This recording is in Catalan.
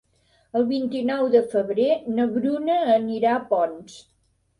El vint-i-nou de febrer na Bruna anirà a Ponts.